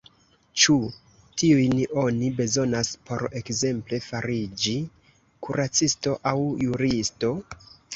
Ĉu tiujn oni bezonas por, ekzemple, fariĝi kuracisto aŭ juristo?